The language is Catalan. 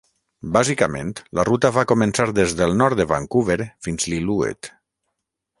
Bàsicament la ruta va començar des del nord de Vancouver fins Lillooet.